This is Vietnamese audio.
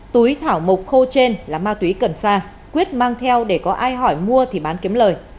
túi thảo mộc khô trên là ma túy cần xa quyết mang theo để có ai hỏi mua thì bán kiếm lời